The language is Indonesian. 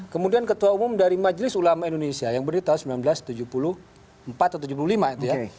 kemudian ketua umum dari majelis ulama indonesia yang berdiri tahun seribu sembilan ratus tujuh puluh empat atau tujuh puluh lima itu ya